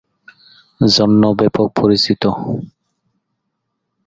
জন্য ব্যপক পরিচিত।